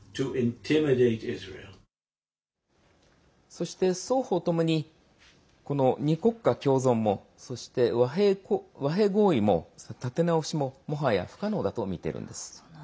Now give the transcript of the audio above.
そして双方ともに２国家共存もそして和平合意の立て直しももはや不可能だとみています。